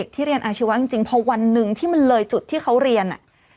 ที่เรียนอาชีวะจริงเพราะวันนึงที่มันเรื่อยจุดที่เค้าเรียน